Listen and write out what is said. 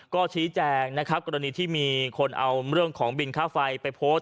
ก็ชี้แจงนะครับกรณีที่มีคนเอาเรื่องของบินค่าไฟไปโพสต์